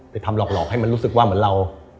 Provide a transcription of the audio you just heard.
ทำหลอกให้มันรู้สึกว่าเหมือนเรา